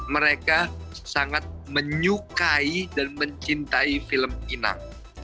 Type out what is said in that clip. mereka sangat menyukai dan mencintai film inang